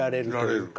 はい。